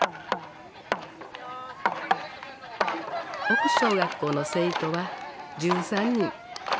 奥小学校の生徒は１３人。